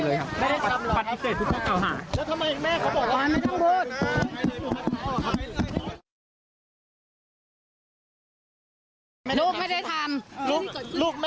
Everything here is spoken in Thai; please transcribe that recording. ลูกแม่เป็นคนดีไหมคะ